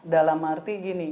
dalam arti gini